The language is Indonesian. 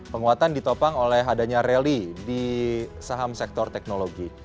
penguatan ditopang oleh adanya rally di saham sektor teknologi